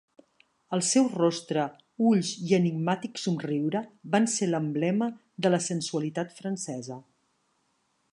El seu rostre, ulls i enigmàtic somriure van ser l'emblema de la sensualitat francesa.